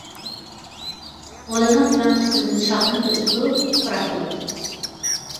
غولىنىڭ تۆۋەن قىسمىدىن شاخلىنىپ ئۆسىدۇ، پۇراقلىق.